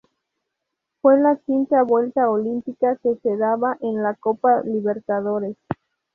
Fue la quinta vuelta olímpica que se daba en la Copa Libertadores.